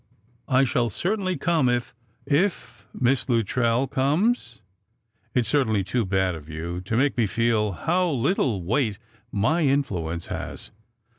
I shall certainly come, if "" If Miss Luttrell comes. It's really too bad of you to make me feel how little weight my influence has.